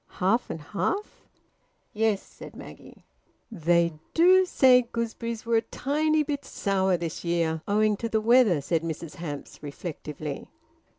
"Half and half?" "Yes," said Maggie. "They do say gooseberries were a tiny bit sour this year, owing to the weather," said Mrs Hamps reflectively.